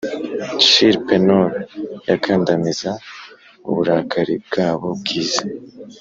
chill penury yakandamiza uburakari bwabo bwiza,